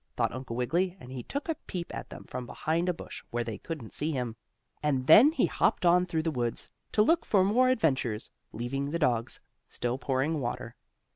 thought Uncle Wiggily, and he took a peep at them from behind a bush where they couldn't see him, and then he hopped on through the woods, to look for more adventures, leaving the dogs still pouring water.